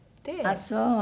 あっそう。